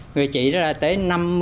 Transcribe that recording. người chị tới năm mươi